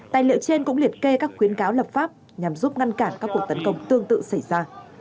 tài liệu trên cũng liệt kê các khuyến cáo lập pháp nhằm giúp ngăn cản các cuộc tấn công tương tự xảy ra